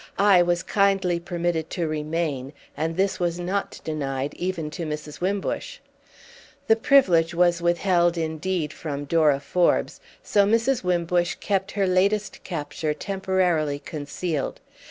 I was kindly permitted to remain, and this was not denied even to Mrs. Wimbush. The privilege was withheld indeed from Dora Forbes; so Mrs. Wimbush kept her latest capture temporarily concealed.